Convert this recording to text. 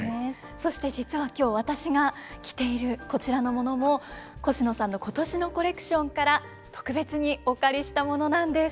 そして実は今日私が着ているこちらのものもコシノさんの今年のコレクションから特別にお借りしたものなんです。